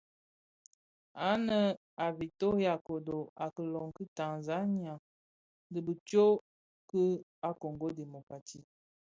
Anë a Victoria kodo a iloň ki Tanzania dhi bi tsog ki a Kongo Democratique.